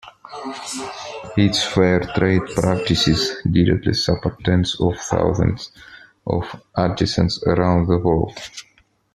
Its fair trade practices directly support tens of thousands of artisans around the world.